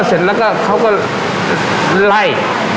เสร็จแล้วก็เขาก็ไล่